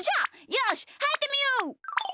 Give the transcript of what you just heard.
よしはいってみよう。